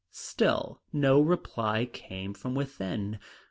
Still no reply came from within.